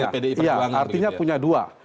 jangka panjang ya artinya punya dua